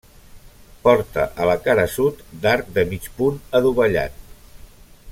Porta a la cara sud, d'arc de mig punt adovellat.